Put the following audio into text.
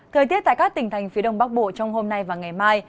thời tiết tại các tỉnh thành phía đông bắc bộ trong hôm nay và ngày mai